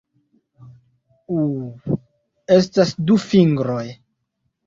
Uh... estas du fingroj.